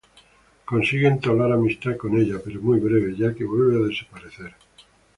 Consigue entablar amistad con ella, pero muy breve, ya que vuelve a desaparecer.